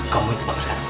kamu yang terbang sekarang